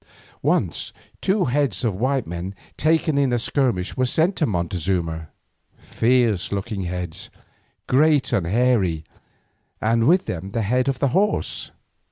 Once two heads of white men taken in a skirmish were sent to Montezuma, fierce looking heads, great and hairy, and with them the head of a horse.